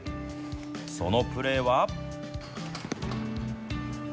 そのプレーは。